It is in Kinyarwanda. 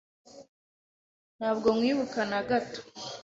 Ntabwo nkwibuka na gato.